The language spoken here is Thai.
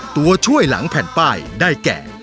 ตัวช่วยหลังแผ่นป้ายได้แก่